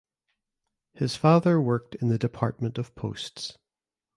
His father worked in the Department of Posts.